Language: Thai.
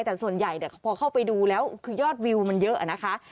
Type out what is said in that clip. แต่ส่วนใหญ่พอเข้าไปดูแล้วคือยอดวิวมันเยอะนะคะ